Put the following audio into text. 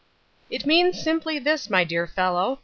"It means simply this, my dear fellow.